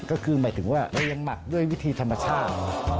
ก็คือหมายถึงว่าเรียนหมักด้วยวิธีธรรมชาติ